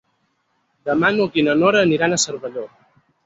Demà n'Hug i na Nora aniran a Cervelló.